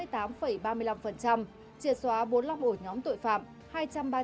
triệt xóa bốn mươi năm ổ nhóm tội phạm